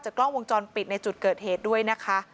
กล้องวงจรปิดในจุดเกิดเหตุด้วยนะคะ